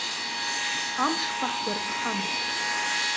Амшқәа ҳгәарԥхам.